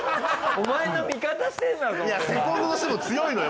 お前の味方してんだぞ俺は。